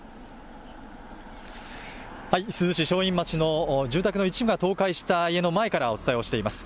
珠洲市正院町の住宅の一部が倒壊した家の前からお伝えをしています。